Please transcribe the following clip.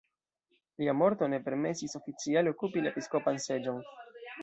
Lia morto ne permesis oficiale okupi la episkopan seĝon.